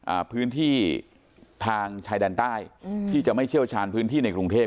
อ่าพื้นที่ทางชายแดนใต้อืมที่จะไม่เชี่ยวชาญพื้นที่ในกรุงเทพ